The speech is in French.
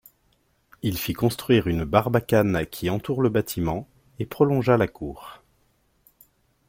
Il fit construire une barbacane qui entoure le bâtiment, et prolongea la cour.